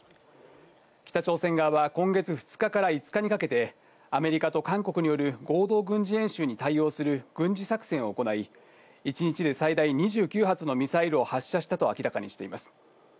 北朝鮮側は、今月２日から５日にかけて、アメリカと韓国による合同軍事演習に対応する軍事作戦を行い、１日で最大２９発のミサイルを発射したと明らかにしています。